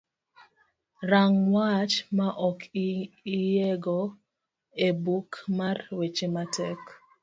rang' wach ma ok iyiego e buk mar weche matek